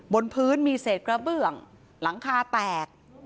บนพื้นมีเศษกระเบื้องหลังคาแตก